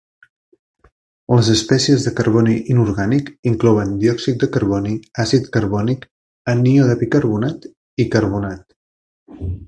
Les espècies de carboni inorgànic inclouen diòxid de carboni, àcid carbònic, anió de bicarbonat i carbonat.